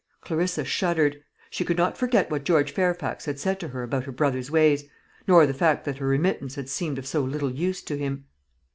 Clarissa shuddered. She could not forget what George Fairfax had said to her about her brother's ways, nor the fact that her remittances had seemed of so little use to him.